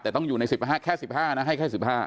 แต่ต้องอยู่ใน๑๕แค่๑๕นะให้แค่๑๕